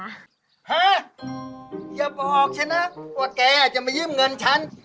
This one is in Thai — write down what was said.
ฮะอย่าบอกฉันนะว่าแกจะมายืมเงินฉัน